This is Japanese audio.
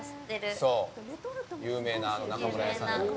そう、有名な中村屋さん。